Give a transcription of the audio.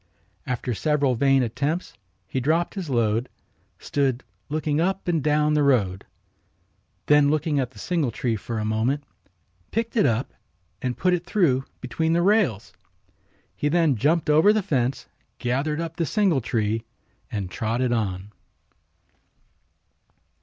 After several vain attempts he dropped his load, stood looking up and down the road. Then looking at the singletree for a moment picked it up and put it through between the rails. He then jumped over the fence, gathered up the singletree and trotted on.